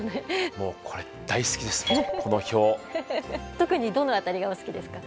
特にどの辺りがお好きですか？